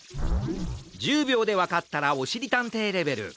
１０びょうでわかったらおしりたんていレベル。